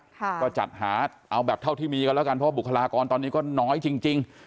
ก็จัดหาเอาแบบเท่าที่มีกันแล้วกันเพราะว่าบุคลากรตอนนี้ก็น้อยจริง